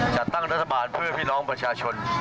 จัดตั้งรัฐบาลเพื่อพี่น้องประชาชน